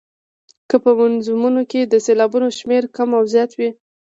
که په نظمونو کې د سېلابونو شمېر کم او زیات وي.